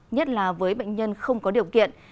nhất là với bệnh nhân không có điều kiện